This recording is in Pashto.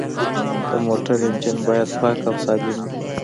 د موټر انجن باید پاک او سالم وي.